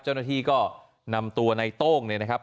เจ้าหน้าที่ก็นำตัวในโต้งเนี่ยนะครับ